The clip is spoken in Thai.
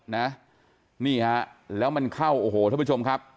นี่ฮะแล้วมันเข้าโอ้โหท่านผู้ชมครับ